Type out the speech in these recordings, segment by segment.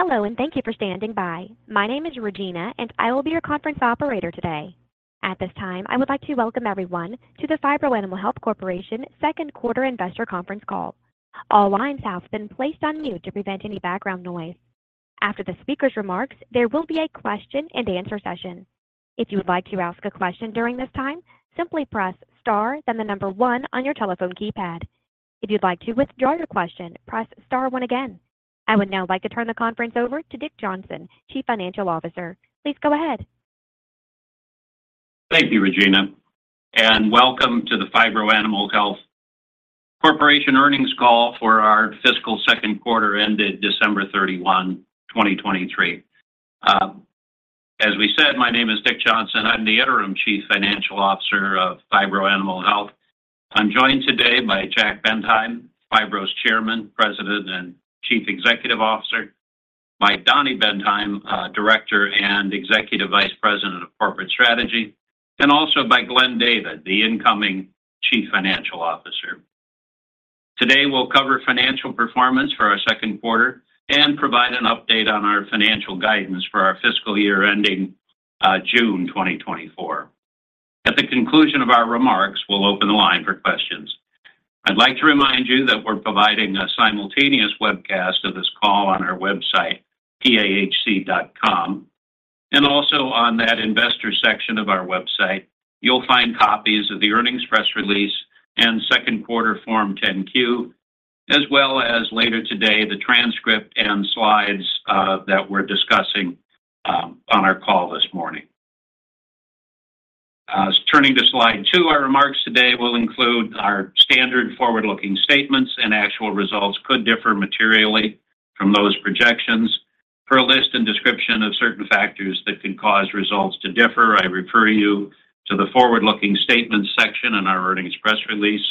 Hello, and thank you for standing by. My name is Regina, and I will be your conference operator today. At this time, I would like to welcome everyone to the Phibro Animal Health Corporation second quarter investor conference call. All lines have been placed on mute to prevent any background noise. After the speaker's remarks, there will be a question and answer session. If you would like to ask a question during this time, simply press Star, then the number one on your telephone keypad. If you'd like to withdraw your question, press Star one again. I would now like to turn the conference over to Dick Johnson, Chief Financial Officer. Please go ahead. Thank you, Regina, and welcome to the Phibro Animal Health Corporation earnings call for our fiscal second quarter ended December 31, 2023. As we said, my name is Dick Johnson. I'm the Interim Chief Financial Officer of Phibro Animal Health. I'm joined today by Jack Bendheim, Phibro's Chairman, President, and Chief Executive Officer, by Donny Bendheim, Director and Executive Vice President of Corporate Strategy, and also by Glenn David, the incoming Chief Financial Officer. Today, we'll cover financial performance for our second quarter and provide an update on our financial guidance for our fiscal year ending June 2024. At the conclusion of our remarks, we'll open the line for questions. I'd like to remind you that we're providing a simultaneous webcast of this call on our website, pahc.com, and also on that investor section of our website, you'll find copies of the earnings press release and second quarter Form 10-Q, as well as later today, the transcript and slides, that we're discussing, on our call this morning. Turning to slide two, our remarks today will include our standard forward-looking statements, and actual results could differ materially from those projections. For a list and description of certain factors that could cause results to differ, I refer you to the forward-looking statements section in our earnings press release.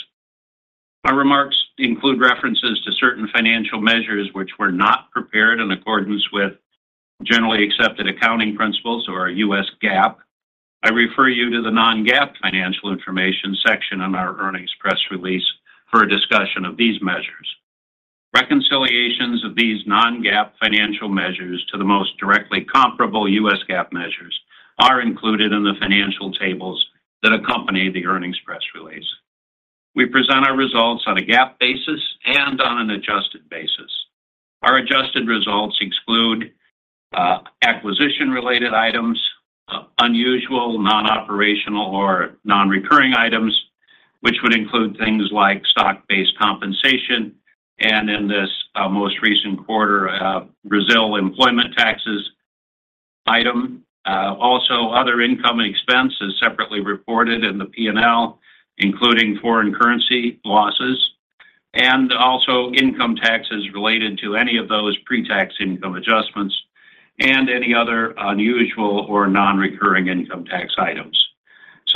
Our remarks include references to certain financial measures which were not prepared in accordance with generally accepted accounting principles or U.S. GAAP. I refer you to the non-GAAP financial information section on our earnings press release for a discussion of these measures. Reconciliations of these non-GAAP financial measures to the most directly comparable U.S. GAAP measures are included in the financial tables that accompany the earnings press release. We present our results on a GAAP basis and on an adjusted basis. Our adjusted results exclude acquisition-related items, unusual non-operational or non-recurring items, which would include things like stock-based compensation, and in this most recent quarter, Brazil employment taxes item. Also other income and expenses separately reported in the P&L, including foreign currency losses and also income taxes related to any of those pre-tax income adjustments and any other unusual or non-recurring income tax items.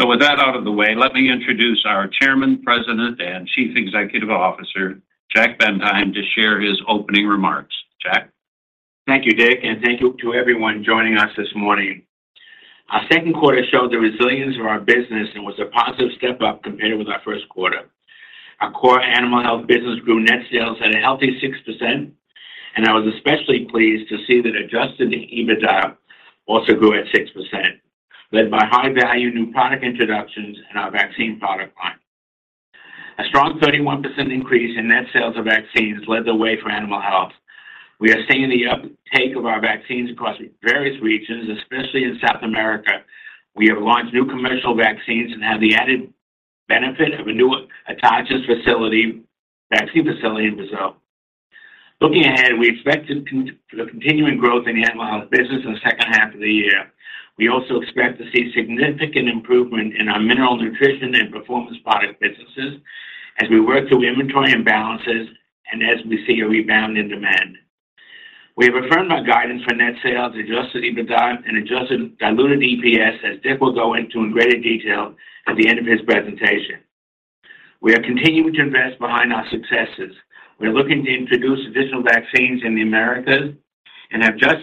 With that out of the way, let me introduce our Chairman, President, and Chief Executive Officer, Jack Bendheim, to share his opening remarks. Jack? Thank you, Dick, and thank you to everyone joining us this morning. Our second quarter showed the resilience of our business and was a positive step up compared with our first quarter. Our core animal health business grew net sales at a healthy 6%, and I was especially pleased to see that Adjusted EBITDA also grew at 6%, led by high-value new product introductions in our vaccine product line. A strong 31% increase in net sales of vaccines led the way for animal health. We are seeing the uptake of our vaccines across various regions, especially in South America. We have launched new commercial vaccines and have the added benefit of a new autogenous facility, vaccine facility in Brazil. Looking ahead, we expect to continue the continuing growth in the animal health business in the second half of the year. We also expect to see significant improvement in our mineral nutrition and performance product businesses as we work through inventory imbalances and as we see a rebound in demand. We have affirmed our guidance for net sales, Adjusted EBITDA, and Adjusted Diluted EPS, as Dick will go into in greater detail at the end of his presentation. We are continuing to invest behind our successes. We are looking to introduce additional vaccines in the Americas and have just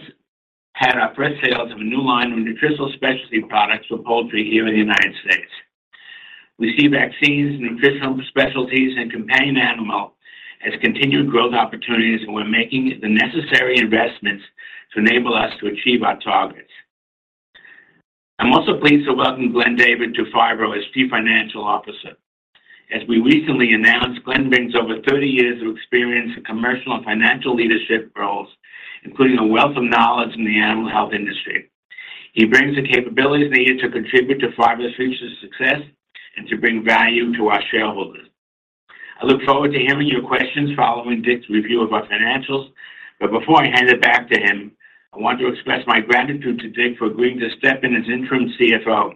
had our first sales of a new line of nutritional specialty products for poultry here in the United States. We see vaccines, nutritional specialties, and companion animal as continued growth opportunities, and we're making the necessary investments to enable us to achieve our targets. I'm also pleased to welcome Glenn David to Phibro as Chief Financial Officer. As we recently announced, Glenn brings over 30 years of experience in commercial and financial leadership roles, including a wealth of knowledge in the animal health industry. He brings the capabilities needed to contribute to Phibro's future success and to bring value to our shareholders. I look forward to hearing your questions following Dick's review of our financials, but before I hand it back to him, I want to express my gratitude to Dick for agreeing to step in as interim CFO.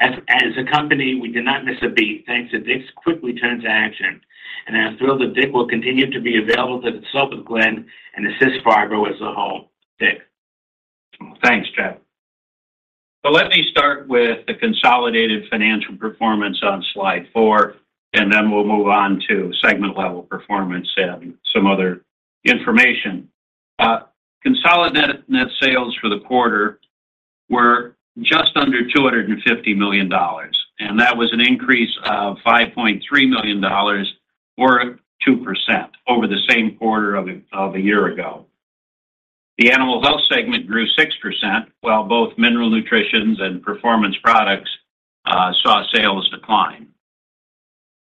As a company, we did not miss a beat, thanks to Dick's quick return to action, and I'm thrilled that Dick will continue to be available to consult with Glenn and assist Phibro as a whole. Dick? Thanks, Jack. So let me start with the consolidated financial performance on slide four, and then we'll move on to segment-level performance and some other information. Consolidated net sales for the quarter were just under $250 million, and that was an increase of $5.3 million or 2% over the same quarter of a year ago. The animal health segment grew 6%, while both mineral nutrition and performance products saw sales decline.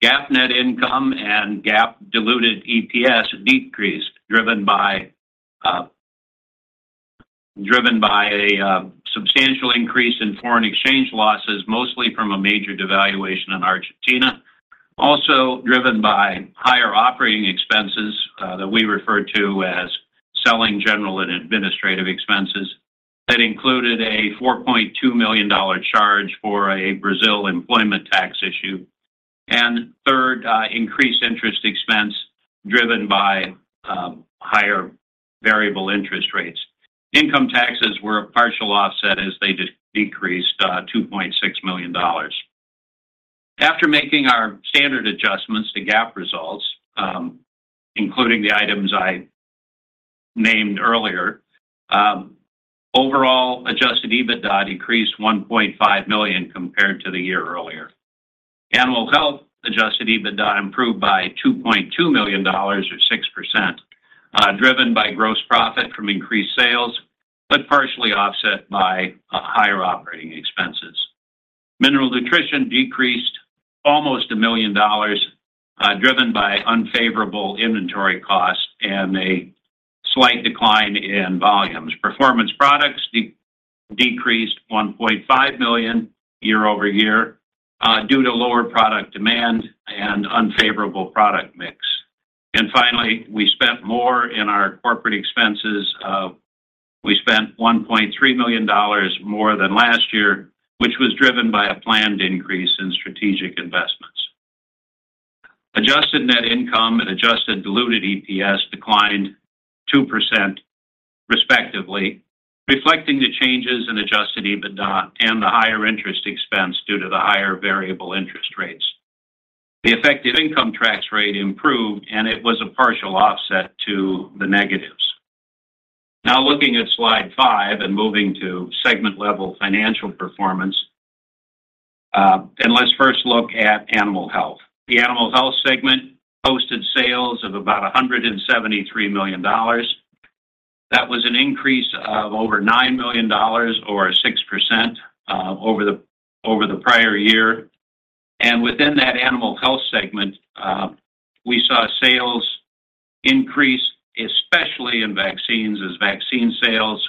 GAAP net income and GAAP diluted EPS decreased, driven by a substantial increase in foreign exchange losses, mostly from a major devaluation in Argentina. Also driven by higher operating expenses that we refer to as selling, general, and administrative expenses. That included a $4.2 million charge for a Brazil employment tax issue, and third, increased interest expense driven by higher variable interest rates. Income taxes were a partial offset as they decreased $2.6 million. After making our standard adjustments to GAAP results, including the items I named earlier, overall, adjusted EBITDA decreased $1.5 million compared to the year earlier. Animal health adjusted EBITDA improved by $2.2 million, or 6%, driven by gross profit from increased sales, but partially offset by higher operating expenses. Mineral nutrition decreased almost $1 million, driven by unfavorable inventory costs and a slight decline in volumes. Performance products decreased $1.5 million year-over-year, due to lower product demand and unfavorable product mix. Finally, we spent more in our corporate expenses. We spent $1.3 million more than last year, which was driven by a planned increase in strategic investments. Adjusted net income and adjusted diluted EPS declined 2%, respectively, reflecting the changes in adjusted EBITDA and the higher interest expense due to the higher variable interest rates. The effective income tax rate improved, and it was a partial offset to the negatives. Now, looking at slide 5 and moving to segment-level financial performance, and let's first look at animal health. The animal health segment posted sales of about $173 million. That was an increase of over $9 million or 6%, over the prior year. Within that animal health segment, we saw sales increase, especially in vaccines, as vaccine sales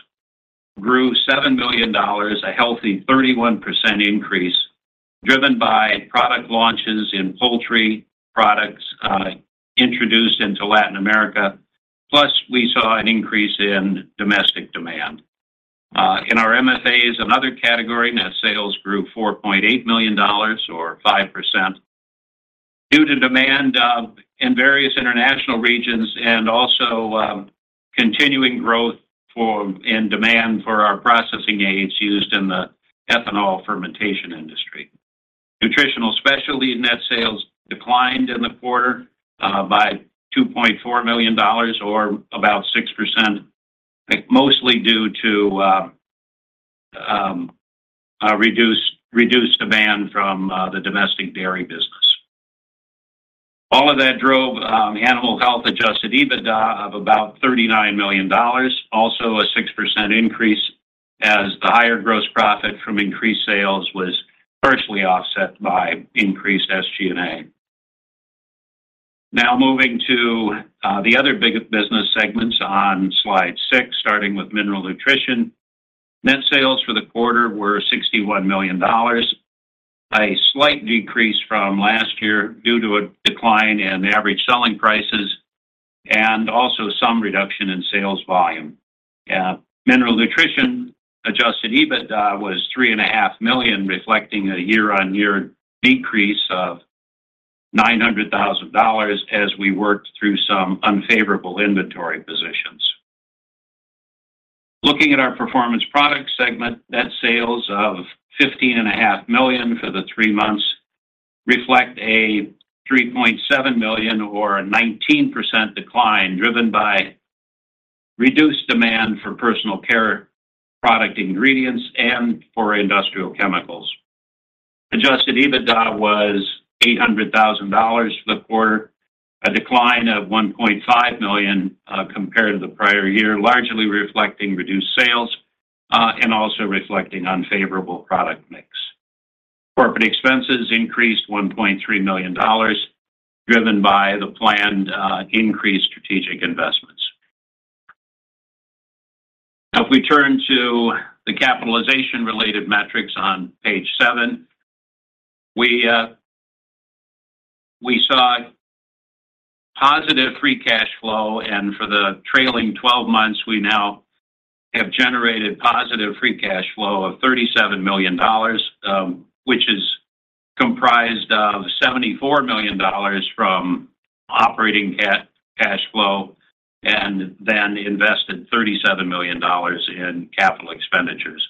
grew $7 million, a healthy 31% increase, driven by product launches in poultry products introduced into Latin America. Plus, we saw an increase in domestic demand. In our MFAs, another category, net sales grew $4.8 million or 5% due to demand in various international regions and also continuing growth in demand for our processing aids used in the ethanol fermentation industry. Nutritional specialty net sales declined in the quarter by $2.4 million or about 6%, mostly due to a reduced demand from the domestic dairy business. All of that drove animal health-adjusted EBITDA of about $39 million, also a 6% increase, as the higher gross profit from increased sales was partially offset by increased SG&A. Now, moving to the other big business segments on slide six, starting with mineral nutrition. Net sales for the quarter were $61 million, a slight decrease from last year due to a decline in average selling prices and also some reduction in sales volume. Mineral nutrition adjusted EBITDA was $3.5 million, reflecting a year-on-year decrease of $900,000 as we worked through some unfavorable inventory positions. Looking at our performance products segment, net sales of $15.5 million for the three months reflect a $3.7 million or a 19% decline, driven by reduced demand for personal care product ingredients and for industrial chemicals. Adjusted EBITDA was $800,000 for the quarter, a decline of $1.5 million compared to the prior year, largely reflecting reduced sales and also reflecting unfavorable product mix. Corporate expenses increased $1.3 million, driven by the planned increased strategic investments. Now, if we turn to the capitalization-related metrics on page 7, we saw positive free cash flow, and for the trailing twelve months, we now have generated positive free cash flow of $37 million, which is comprised of $74 million from operating cash flow and then invested $37 million in capital expenditures.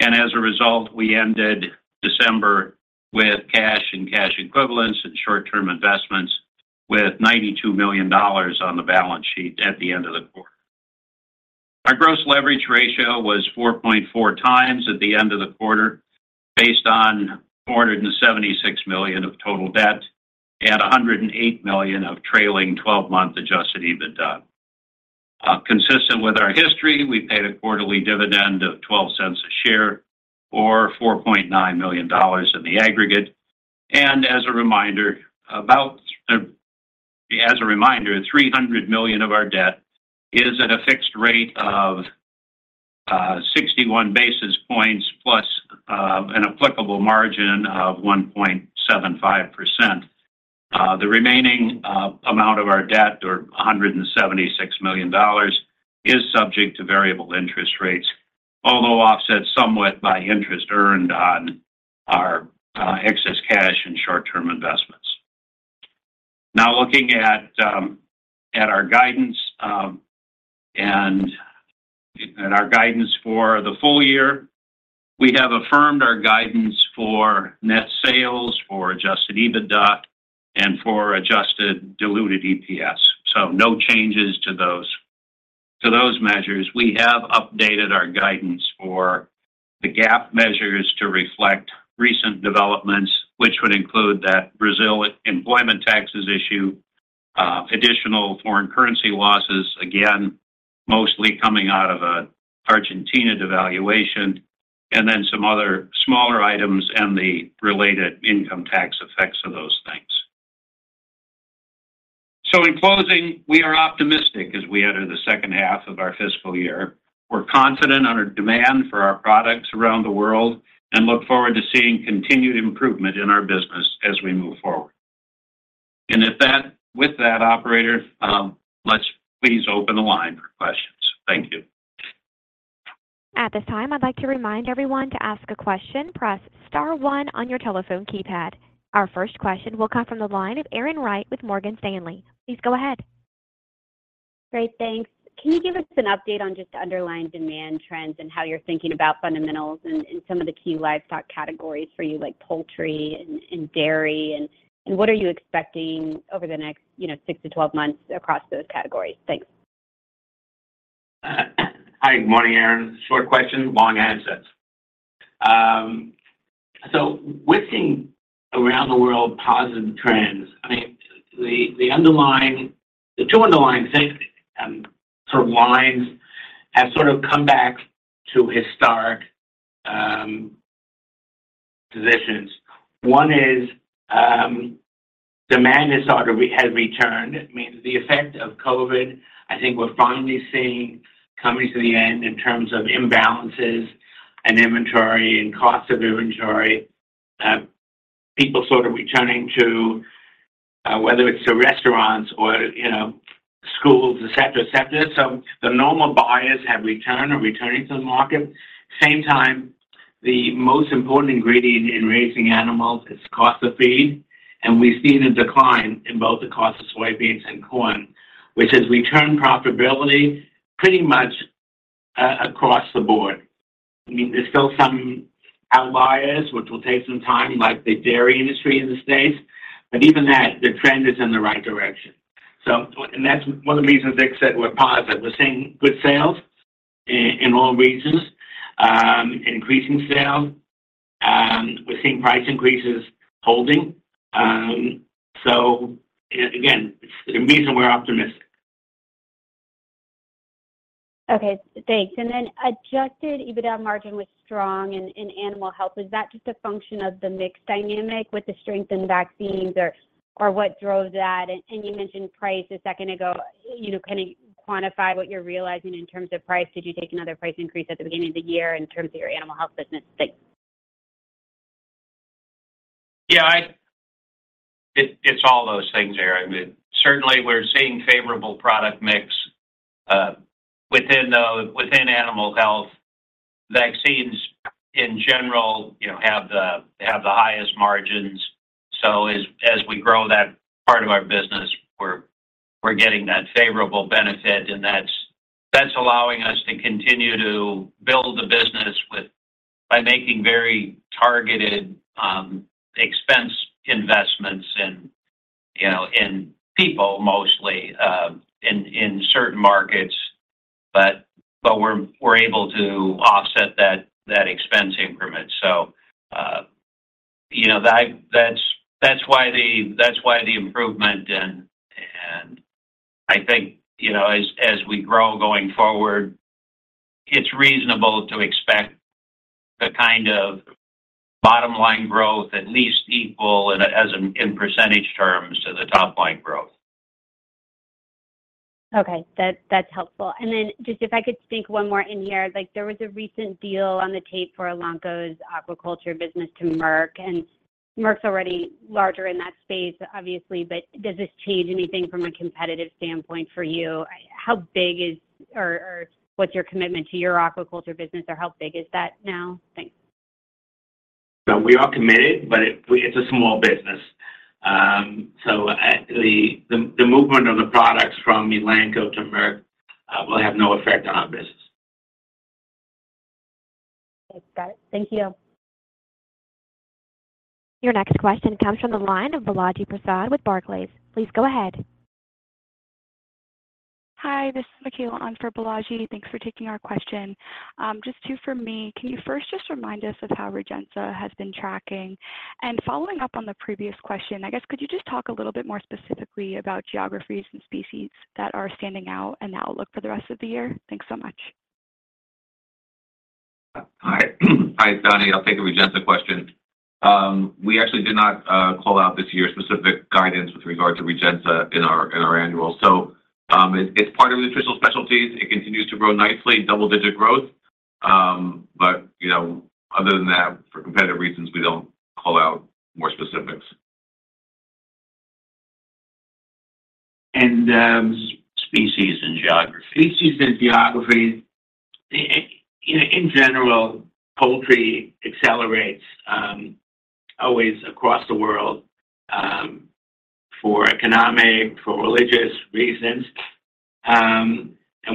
And as a result, we ended December with cash and cash equivalents and short-term investments with $92 million on the balance sheet at the end of the quarter. Our gross leverage ratio was 4.4 times at the end of the quarter, based on $476 million of total debt at $108 million of trailing twelve-month adjusted EBITDA. Consistent with our history, we paid a quarterly dividend of 12 cents a share, or $4.9 million in the aggregate. And as a reminder, $300 million of our debt is at a fixed rate of 61 basis points, plus an applicable margin of 1.75%. The remaining amount of our debt, or $176 million, is subject to variable interest rates, although offset somewhat by interest earned on our excess cash and short-term investments. Now, looking at our guidance and our guidance for the full year, we have affirmed our guidance for net sales, for Adjusted EBITDA, and for Adjusted Diluted EPS. So no changes to those measures. We have updated our guidance for the GAAP measures to reflect recent developments, which would include that Brazil employment taxes issue, additional foreign currency losses, again, mostly coming out of an Argentina devaluation, and then some other smaller items and the related income tax effects of those things. So in closing, we are optimistic as we enter the second half of our fiscal year. We're confident on our demand for our products around the world, and look forward to seeing continued improvement in our business as we move forward. And with that, operator, let's please open the line for questions. Thank you. At this time, I'd like to remind everyone to ask a question, press star one on your telephone keypad. Our first question will come from the line of Erin Wright with Morgan Stanley. Please go ahead. Great, thanks. Can you give us an update on just underlying demand trends and how you're thinking about fundamentals and, and some of the key livestock categories for you, like poultry and, and dairy? And, and what are you expecting over the next, you know, six to twelve months across those categories? Thanks. Hi, good morning, Erin. Short question, long answers. So we're seeing around the world positive trends. I mean, the underlying, the two underlying things, sort of lines have sort of come back to historic positions. One is, demand is sort of has returned. I mean, the effect of COVID, I think we're finally seeing coming to the end in terms of imbalances and inventory and cost of inventory. People sort of returning to, whether it's to restaurants or, you know, schools, et cetera, et cetera. So the normal buyers have returned or returning to the market. Same time, the most important ingredient in raising animals is cost of feed, and we've seen a decline in both the cost of soybeans and corn, which has returned profitability pretty much, across the board. I mean, there's still some outliers which will take some time, like the dairy industry in the States, but even that, the trend is in the right direction. So, and that's one of the reasons, like I said, we're positive. We're seeing good sales in all regions, increasing sales. We're seeing price increases holding. So again, it's the reason we're optimistic. Okay, thanks. And then adjusted EBITDA margin was strong in animal health. Is that just a function of the mix dynamic with the strength in vaccines, or what drove that? And you mentioned price a second ago, you know, can you quantify what you're realizing in terms of price? Did you take another price increase at the beginning of the year in terms of your animal health business? Thanks. Yeah, it's all those things, Erin. I mean, certainly we're seeing favorable product mix within animal health. Vaccines, in general, you know, have the highest margins. So as we grow that part of our business, we're getting that favorable benefit, and that's allowing us to continue to build the business by making very targeted expense investments in, you know, in people mostly, in certain markets. But we're able to offset that expense increment. So, you know, that's why the improvement. And I think, you know, as we grow going forward, it's reasonable to expect the kind of bottom line growth at least equal in percentage terms to the top line growth. Okay, that, that's helpful. And then just if I could sneak one more in here, like there was a recent deal on the tape for Elanco's aquaculture business to Merck, and Merck's already larger in that space, obviously. But does this change anything from a competitive standpoint for you? How big is... or, or what's your commitment to your aquaculture business, or how big is that now? Thanks. No, we are committed, but it's a small business. So, at the movement of the products from Elanco to Merck, will have no effect on our business.... Got it. Thank you. Your next question comes from the line of Balaji Prasad with Barclays. Please go ahead. Hi, this is Michaela on for Balaji. Thanks for taking our question. Just two for me. Can you first just remind us of how Rejensa has been tracking? And following up on the previous question, I guess could you just talk a little bit more specifically about geographies and species that are standing out and the outlook for the rest of the year? Thanks so much. Hi. Hi, Donnie, I'll take the Rejensa question. We actually did not call out this year's specific guidance with regard to Rejensa in our annual. So, it's part of the nutritional specialties. It continues to grow nicely, double-digit growth. But, you know, other than that, for competitive reasons, we don't call out more specifics. And, um- Species and geography. Species and geography. In general, poultry accelerates always across the world for economic, for religious reasons.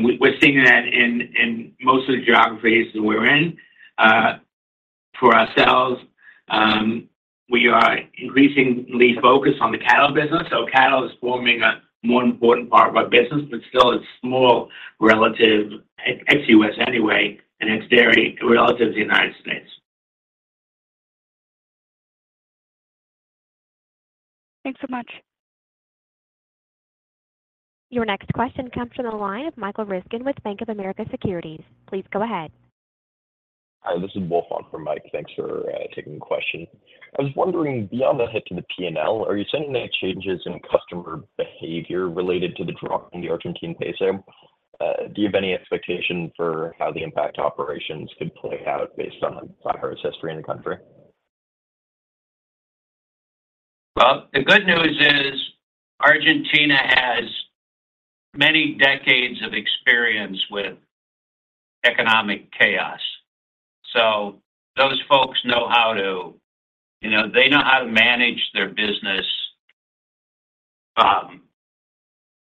We, we're seeing that in most of the geographies we're in. For ourselves, we are increasingly focused on the cattle business, so cattle is forming a more important part of our business, but still it's small, relative ex-US anyway, and it's dairy relative to the United States. Thanks so much. Your next question comes from the line of Michael Ryskin with Bank of America Securities. Please go ahead. Hi, this is Wolfson from Mike. Thanks for taking the question. I was wondering, beyond the hit to the P&L, are you seeing any changes in customer behavior related to the drop in the Argentine peso? Do you have any expectation for how the impact operations could play out based on prior history in the country? Well, the good news is Argentina has many decades of experience with economic chaos. So those folks know how to... You know, they know how to manage their business,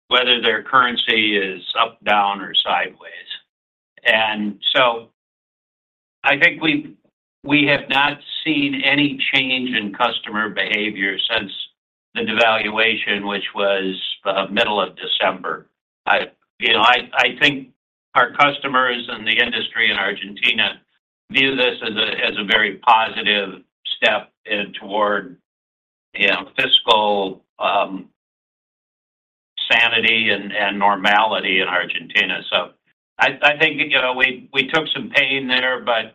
whether their currency is up, down, or sideways. And so I think we have not seen any change in customer behavior since the devaluation, which was the middle of December. You know, I think our customers and the industry in Argentina view this as a very positive step toward, you know, fiscal sanity and normality in Argentina. So I think, you know, we took some pain there, but,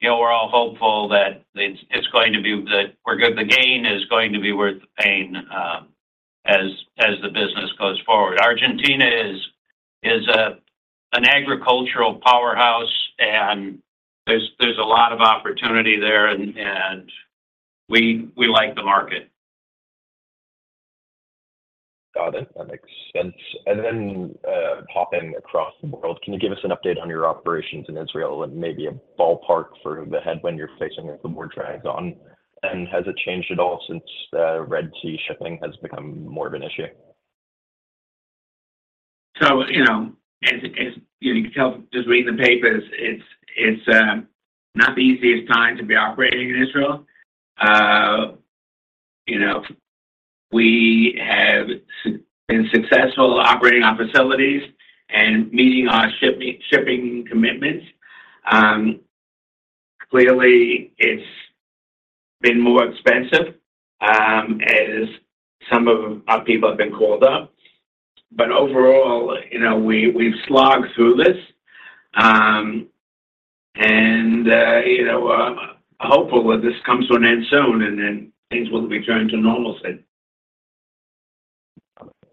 you know, we're all hopeful that it's going to be the-- we're good. The gain is going to be worth the pain, as the business goes forward. Argentina is an agricultural powerhouse, and there's a lot of opportunity there, and we like the market. Got it. That makes sense. And then, hopping across the world, can you give us an update on your operations in Israel and maybe a ballpark for the headwind you're facing or the more drags on? And has it changed at all since the Red Sea shipping has become more of an issue? So, you know, you can tell, just reading the papers, it's not the easiest time to be operating in Israel. You know, we have been successful operating our facilities and meeting our shipping commitments. Clearly, it's been more expensive, as some of our people have been called up. But overall, you know, we, we've slogged through this, and you know, I'm hopeful that this comes to an end soon, and then things will return to normalcy.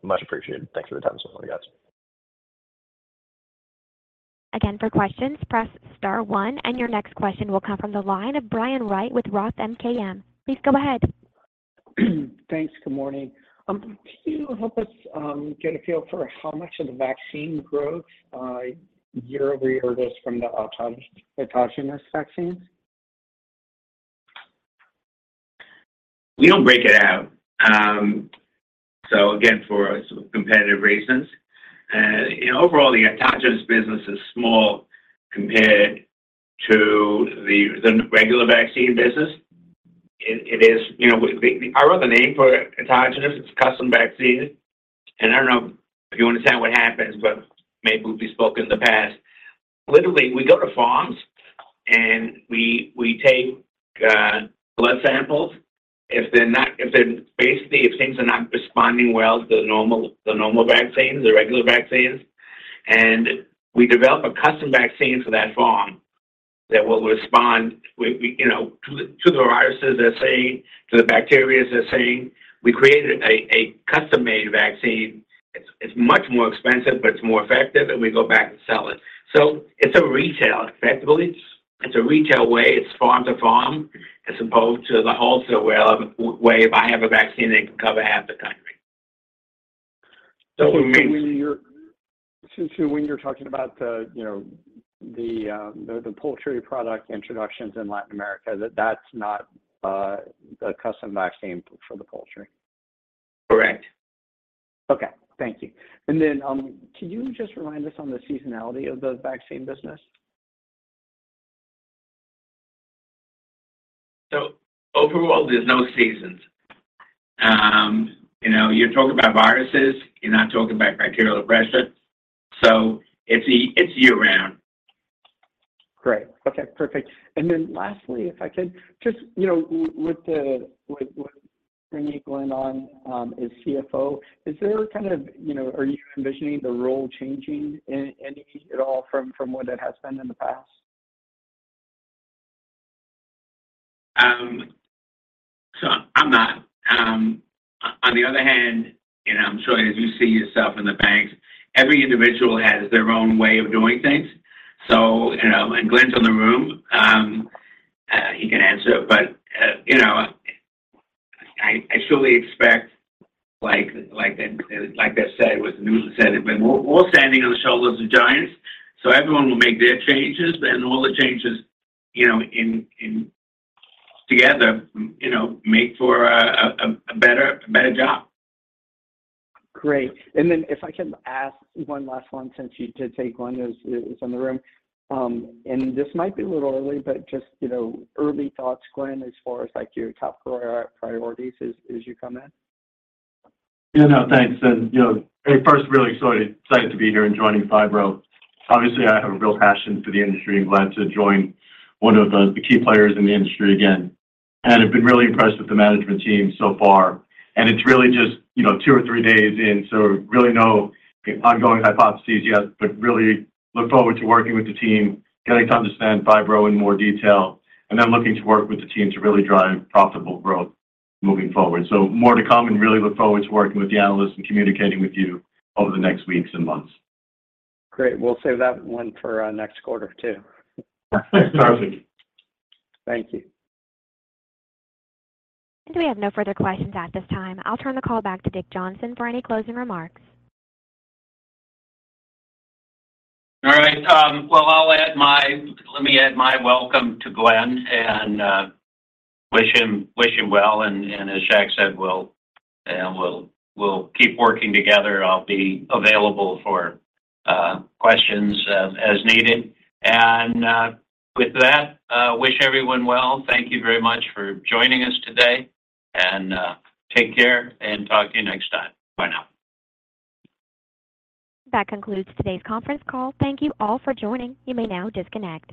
Much appreciated. Thank you for the time, guys. Again, for questions, press star one, and your next question will come from the line of Brian Wright with Roth MKM. Please go ahead. Thanks. Good morning. Can you help us get a feel for how much of the vaccine growth by year-over-year is from the Autogenous Vaccines? We don't break it out. So again, for competitive reasons, you know, overall, the autogenous business is small compared to the regular vaccine business. It is, you know, our other name for autogenous, it's custom vaccine. And I don't know if you understand what happens, but maybe we've spoken in the past. Literally, we go to farms, and we take blood samples if they're not—if they're basically, if things are not responding well to the normal, the normal vaccines, the regular vaccines, and we develop a custom vaccine for that farm that will respond, we you know, to the viruses they're seeing, to the bacteria they're seeing. We create a custom-made vaccine. It's much more expensive, but it's more effective, and we go back and sell it. So it's a retail, effectively, it's a retail way. It's farm to farm, as opposed to the wholesale way. If I have a vaccine, it can cover half the time. So we- So, when you're talking about the, you know, the poultry product introductions in Latin America, that's not a custom vaccine for the poultry? Correct.... Okay, thank you. And then, can you just remind us on the seasonality of the vaccine business? So overall, there's no seasons. You know, you're talking about viruses, you're not talking about bacterial infection, so it's year-round. Great. Okay, perfect. And then lastly, if I could just, you know, with Renee going on as CFO, is there a kind of, you know, are you envisioning the role changing in any at all from what it has been in the past? So I'm not. On the other hand, and I'm sure as you see yourself in the banks, every individual has their own way of doing things. So, you know, and Glenn's in the room, he can answer. But, you know, I surely expect, like I said, what Noodle said, we're all standing on the shoulders of giants, so everyone will make their changes, and all the changes, you know, in together, you know, make for a better job. Great. Then if I can ask one last one, since you did take one, is in the room. And this might be a little early, but just, you know, early thoughts, Glenn, as far as, like, your top priorities as you come in. Yeah, no, thanks. And, you know, hey, first, really excited, excited to be here and joining Phibro. Obviously, I have a real passion for the industry and glad to join one of the, the key players in the industry again. And I've been really impressed with the management team so far, and it's really just, you know, two or three days in, so really no ongoing hypotheses yet, but really look forward to working with the team, getting to understand Phibro in more detail, and then looking to work with the team to really drive profitable growth moving forward. So more to come, and really look forward to working with the analysts and communicating with you over the next weeks and months. Great. We'll save that one for, next quarter, too. Perfect. Thank you. We have no further questions at this time. I'll turn the call back to Dick Johnson for any closing remarks. All right, well, let me add my welcome to Glenn and wish him well. And as Jack said, we'll keep working together. I'll be available for questions as needed. And with that, wish everyone well. Thank you very much for joining us today, and take care and talk to you next time. Bye now. That concludes today's conference call. Thank you all for joining. You may now disconnect.